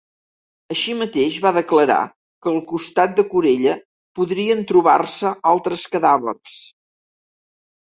Així mateix va declarar que al costat de Corella podrien trobar-se altres cadàvers.